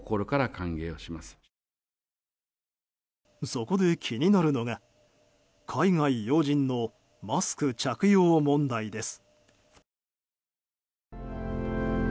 そこで気になるのが海外要人のマスク着用問題です。